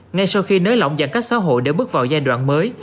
ngay sau khi nới lỏng giãn cách xã hội để bước vào giai đoạn mới